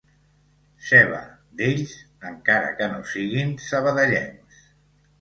Seva, d'ells, encara que no siguin sabadellencs.